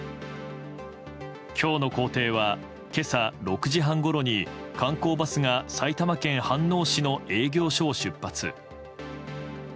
今日の行程は今朝６時半ごろに観光バスが埼玉県飯能市の営業所を出発。